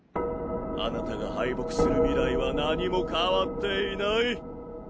あなたが敗北する未来は何も変わっていない！